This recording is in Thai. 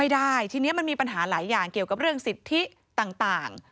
ไม่ได้ทีนี้มันมีปัญหาหลายอย่างเกี่ยวกับเรื่องสิทธิต่าง